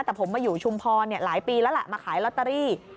แต่ผมอยู่ชุมพอเนี่ยหลายปีแล้วมาขายลอตตารี